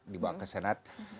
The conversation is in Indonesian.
dibawa ke senat